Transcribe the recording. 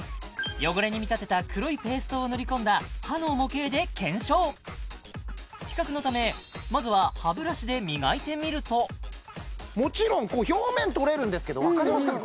汚れに見立てた黒いペーストを塗り込んだ歯の模型で検証比較のためまずは歯ブラシで磨いてみるともちろん表面取れるんですけどわかりますかね？